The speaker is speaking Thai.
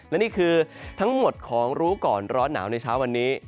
และนี่คือทั้งหมดของรู้ก่อนร้อนหนาวในเช้าวันนี้